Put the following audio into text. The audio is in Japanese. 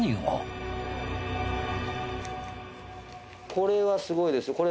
これはすごいですよ。